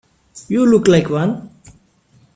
You look like one.